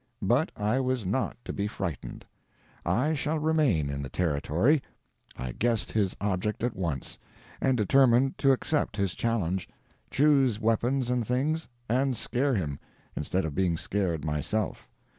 But I was not to be frightened; I shall remain in the Territory. I guessed his object at once, and determined to accept his challenge, choose weapons and things, and scare him, instead of being scared myself.